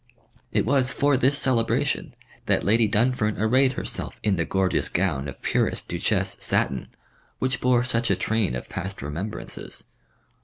It was for this celebration that Lady Dunfern arrayed herself in the gorgeous gown of purest duchesse satin, which bore such a train of past remembrances.